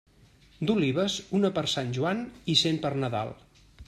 D'olives, una per Sant Joan i cent per Nadal.